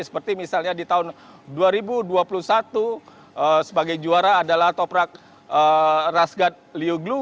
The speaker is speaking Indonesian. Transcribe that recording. seperti misalnya di tahun dua ribu dua puluh satu sebagai juara adalah toprak rasgat lioglu